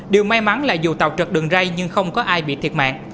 điều may mắn là dù tàu trượt đường rây nhưng không có ai bị thiệt mạng